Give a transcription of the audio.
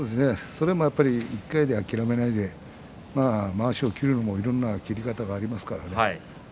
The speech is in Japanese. それも１回で諦めないでまわしの切り方もいろんな切り方がありますからね。